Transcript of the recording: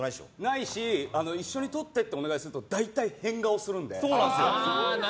ないし、一緒に撮ってとお願いすると、大体変顔するので。